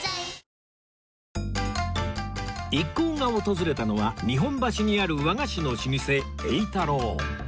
一行が訪れたのは日本橋にある和菓子の老舗榮太樓